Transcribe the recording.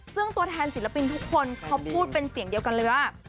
ซึ่งตัวแทนศิลปินทุกคนเขาพูดเป็นเสียงเดียวกันเลยว่า